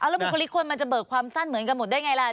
แล้วบุคลิกคนมันจะเบิกความสั้นเหมือนกันหมดได้ไงล่ะ